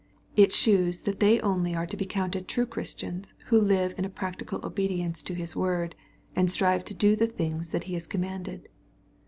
It shews that they only are to be counted true Christians who live in a practical obedience to His word, and strive to do the things that he has commanded.